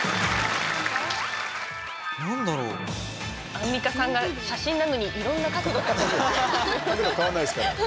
アンミカさんが写真なのにいろんな角度から見ています。